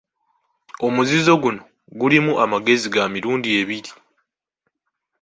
Omuzizo guno gulimu amagezi ga mirundi ebiri.